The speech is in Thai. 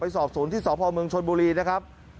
ไปสอบศูนย์ที่สอบภเมืองชลบูรีนะครับ